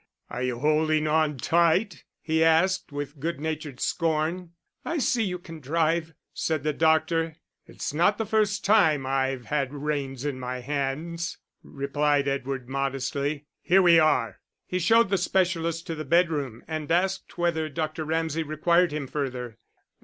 "Are you holding on tight?" he asked, with good natured scorn. "I see you can drive," said the doctor. "It is not the first time I've had reins in my hands," replied Edward, modestly. "Here we are!" He showed the specialist to the bedroom, and asked whether Dr. Ramsay required him further.